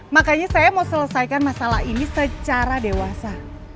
makanya saya mau selesaikan masalah ini secara dewasa